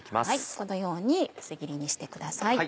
このように薄切りにしてください。